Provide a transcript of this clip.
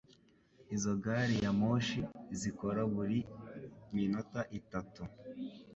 Izo gari ya moshi zikora buri minota itatu.